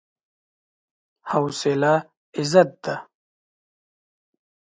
حوصله عزت ده.